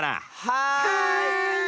はい！